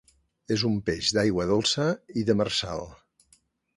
És un peix d'aigua dolça i demersal.